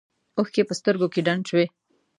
اوښکې په سترګو کې ډنډ شوې.